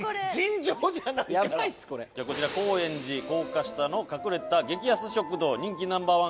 こちら高円寺高架下の隠れた激安食堂人気Ｎｏ．１カレーでございます。